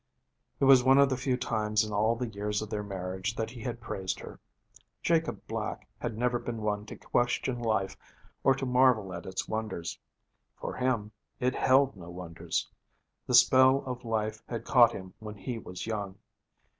It was one of the few times in all the years of their marriage that he had praised her. Jacob Black had never been one to question life or to marvel at its wonders. For him, it held no wonders. The spell of life had caught him when he was young.